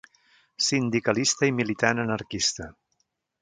Sindicalista i militant anarquista.